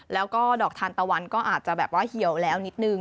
แล้วก็ดอกทานตะวันก็อาจจะแบบว่าเหี่ยวแล้วนิดนึง